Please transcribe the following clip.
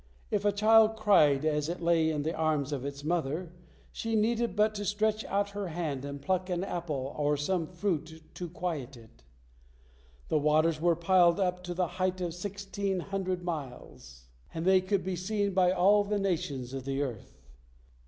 If a child cried as it lay in the arms of its mother, she needed but to stretch out her hand and pluck and apple or some fruit and quiet it. The waters were piled up to the height of sixteen hundred miles, and they could be seen by all the nations of the earth.